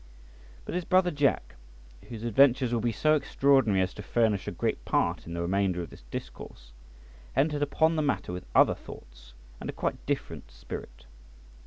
But his brother Jack, whose adventures will be so extraordinary as to furnish a great part in the remainder of this discourse, entered upon the matter with other thoughts and a quite different spirit.